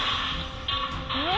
うわ！